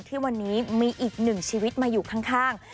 ที่วันนี้มีอีกหนึ่งชีวิตมาอยู่ข้าง